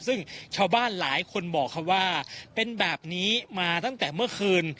ซึ่งชาวบ้านหลายคนบอกเขาว่าเป็นแบบนี้มาตั้งแต่เมื่อคืน